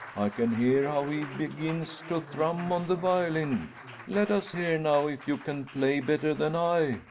I can hear how he begins to thrum on the violin. Let us hear now if you can play better than I!"